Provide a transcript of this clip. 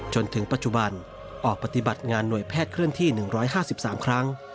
จนถึงปัจจุบันออกปฏิบัติงานหน่วยแพทย์เคลื่อนที่๑๕๓ครั้ง